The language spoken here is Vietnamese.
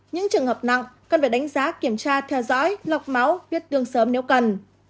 những trường hợp nặng cần phải đánh giá kiểm tra theo dõi lọc máu viết đường sớm nếu cần